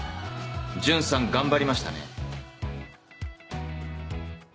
順さん頑張りましたね。